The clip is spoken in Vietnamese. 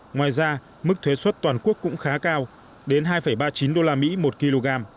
ngoài ra mức thuế xuất toàn quốc cũng khá cao đến hai ba mươi chín đô la mỹ một kg